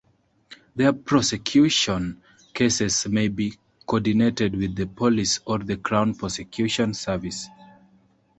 Their prosecution cases may be coordinated with the Police or the Crown Prosecution Service.